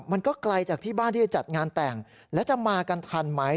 มันก็ไกลจากที่บ้านที่จะจัดงานแต่งแล้วจะมากันทันไหม